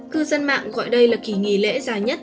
cư dân mạng gọi đây là kỳ nghỉ lễ dài nhất